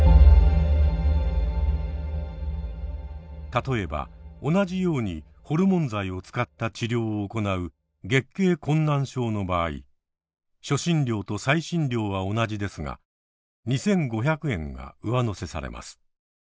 例えば同じようにホルモン剤を使った治療を行う月経困難症の場合初診料と再診料は同じですが２，５００円が上乗せされます。